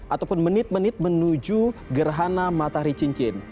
ataupun menit menit menuju gerhana matahari cincin